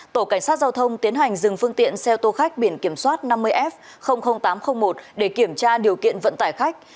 tổ cảnh sát giao thông tiến hành dừng phương tiện xe ô tô khách biển kiểm soát năm mươi f tám trăm linh một để kiểm tra điều kiện vận tải khách